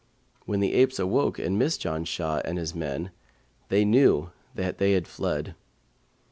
When the apes awoke and missed Janshah and his men, they knew that they had fled.